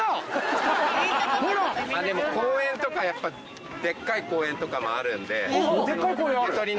でも公園とかやっぱでっかい公園ある？